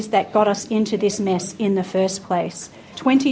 yang membuat kita masuk ke dalam masalah ini